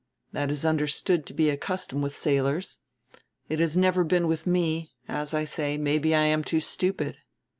That is understood to be a custom with sailors. It has never been with me; as I say, maybe I am too stupid.